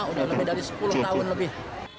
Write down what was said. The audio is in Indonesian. udah lebih dari sepuluh tahun lebih